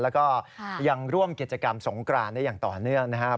แล้วก็ยังร่วมกิจกรรมสงกรานได้อย่างต่อเนื่องนะครับ